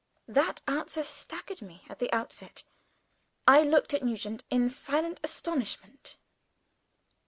That answer staggered me at the outset. I looked at Nugent in silent astonishment.